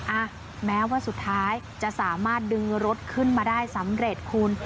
อ่ะแม้ว่าสุดท้ายจะสามารถดึงรถขึ้นมาได้สำเร็จคุณ